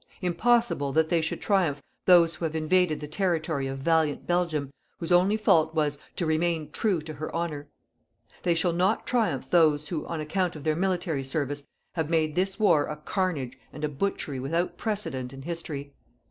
Impossible that they should triumph those who have invaded the territory of valiant Belgium, whose only fault was_: TO REMAIN TRUE TO HER HONOUR. _They shall not triumph those who, on account of their military service, have made this war a carnage and a butchery without precedent in History.